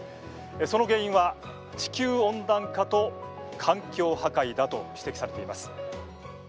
その原因は地球温暖化と環境破壊だと指摘されています。